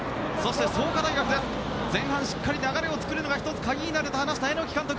創価大学前半しっかり流れを作るのが鍵になると話した榎木監督。